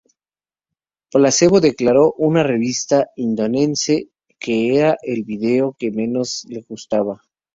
Placebo declaró para una revista londinense que era el vídeo que menos le gustaba.